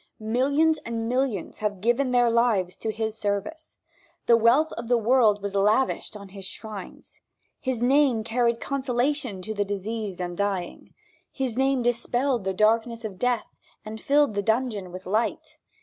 Millions and millions have given their lives to his service. The wealth of the world was lavished on his shrines. His name carried consolation to the diseased and dying. His name dispelled the darkness of death, and filled the dungeon with light.